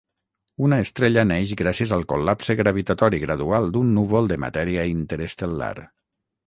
Una estrella neix gràcies al col·lapse gravitatori gradual d'un núvol de matèria interestel·lar.